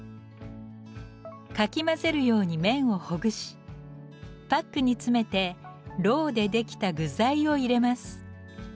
かき混ぜるように麺をほぐしパックに詰めて蝋でできた具材を入れます。